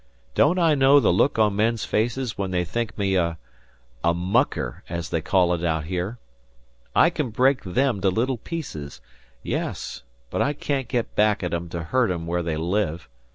Don't I know the look on men's faces when they think me a a 'mucker,' as they call it out here? I can break them to little pieces yes but I can't get back at 'em to hurt 'em where they live.